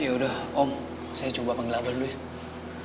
ya udah om saya coba panggil abah dulu ya